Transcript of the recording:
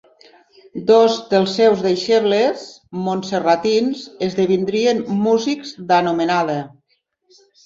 Dos dels seus deixebles montserratins esdevindrien músics d'anomenada: